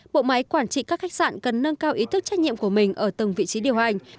bộ máy quản trị các khách sạn cần nâng cao ý thức trách nhiệm của mình ở từng vị trí điều hành